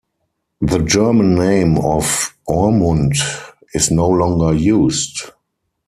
The German name of "Ormund" is no longer used.